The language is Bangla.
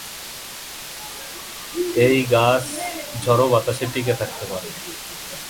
এই গাছ ঝড়-বাতাসে টিকে থাকতে পারে।